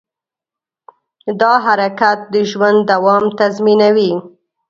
دا حرکت د ژوند دوام تضمینوي.